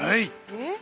えっ？